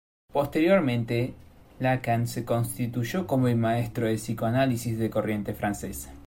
Posteriormente, Lacan se constituyó como el maestro del psicoanálisis de corriente francesa.